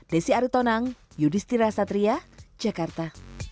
desi aritonang yudhistira satria jakarta